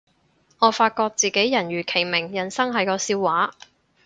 我發覺自己人如其名，人生係個笑話